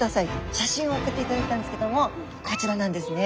写真を送っていただいたんですけどもこちらなんですね。